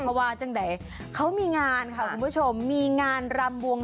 เพราะว่าจังใดเขามีงานค่ะคุณผู้ชมมีงานรำบวง